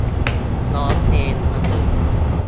ร้องเพลง สนุก